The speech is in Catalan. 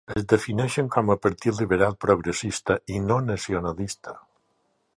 Es defineixen com a partit liberal-progressista i no nacionalista.